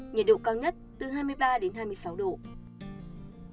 nhiệt độ cao nhất từ một mươi chín đến hai mươi hai độ vùng núi có nơi dưới một mươi tám độ